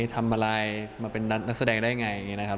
ทำอะไรมาเป็นนักแสดงได้ไงอย่างนี้นะครับ